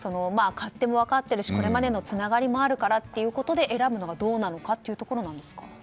勝手も分かってるしこれまでのつながりもあるからと選ぶのはどうなのかってところですか。